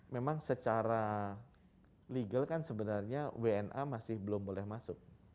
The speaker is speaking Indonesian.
memang secara legal kan sebenarnya wna masih belum boleh masuk